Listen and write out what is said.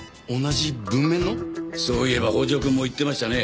そういえば北条君も言ってましたね。